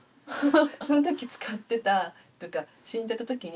そのとき使ってたというか死んじゃったときに。